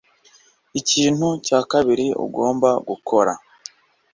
ikintu cya kabiri ugomba gukora